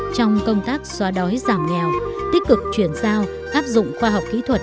trong công tác xóa đói giảm nghèo tích cực chuyển giao áp dụng khoa học kỹ thuật